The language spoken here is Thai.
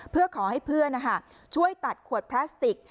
เพื่อขอให้เพื่อนช่วยตัดขวดพลาสติก